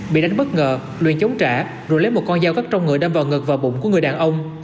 bị đánh bất ngờ luyện chống trả rồi lấy một con dao vắt trong người đâm vào ngực và bụng của người đàn ông